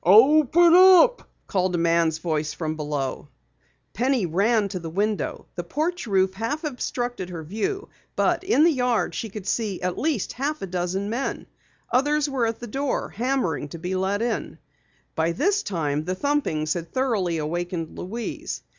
"Open up!" called a man's voice from below. Penny ran to the window. The porch roof half obstructed her view, but in the yard she could see at least half a dozen men. Others were at the door, hammering to be let in. By this time the thumpings had thoroughly awakened Louise.